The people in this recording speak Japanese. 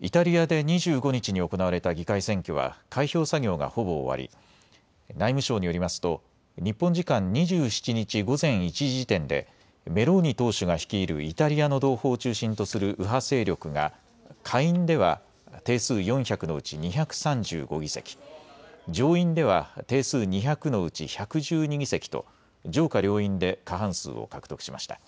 イタリアで２５日に行われた議会選挙は開票作業がほぼ終わり、内務省によりますと日本時間２７日午前１時時点でメローニ党首が率いるイタリアの同胞を中心とする右派勢力が下院では定数４００のうち２３５議席、上院では定数２００のうち１１２議席と上下両院で過半数を獲得しました。